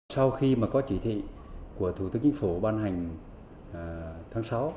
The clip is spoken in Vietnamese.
sau khi có trị thị của thủ tướng chính phủ ban hành tháng sáu